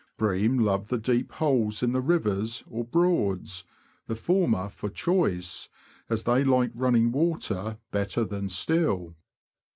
Bream love the deep holes in the rivers or Broads — the former for choice, as they like running water better than still.